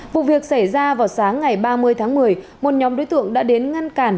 vụ việc xảy ra vào sáng ngày ba mươi tháng một mươi một nhóm đối tượng đã đến ngăn cản